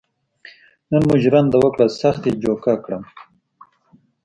نن مو ژرنده وکړه سخت یې جوکه کړم.